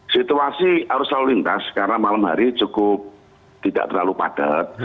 situasi arus lalu lintas karena malam hari cukup tidak terlalu padat